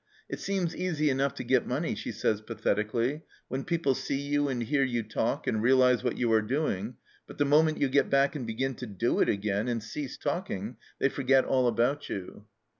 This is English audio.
" It seems easy enough to get money," she says pathetically, " when people see you, and hear you talk, and realize what you are doing, but the moment you get back and begin to do it again, and cease talking, they forget all about you."